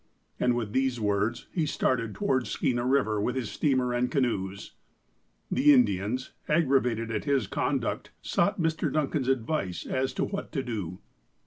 And, with these words, he started towards Skeena River with his steamer and canoes. The Indians, aggravated at his conduct, sought Mr. Duncan's advice as to what to do.